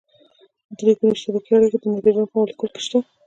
درې ګوني اشتراکي اړیکه د نایتروجن په مالیکول کې شته ده.